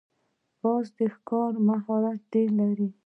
باز د ښکار مهارت ډېر لري